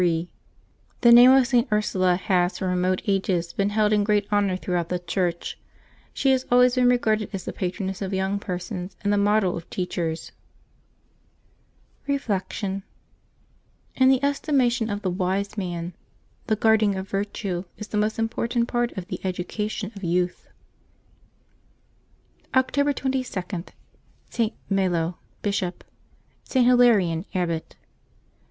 The name of St. Ursula has from remote ages been held in great honor throughout the Church; she has always been regarded as the patroness of young persons and the model of teachers. Reflection. — In the estimation of the wise man, "the guarding of virtue'' is the most important part of the education of youth. October 22.— ST. MELLO, Bishop.— ST. HI LARION, Abbot.